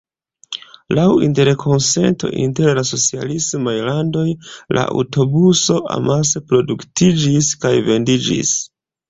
Laŭ interkonsento inter la socialismaj landoj, la aŭtobuso amase produktiĝis kaj vendiĝis.